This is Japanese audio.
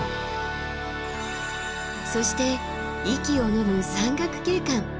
そして息をのむ山岳景観。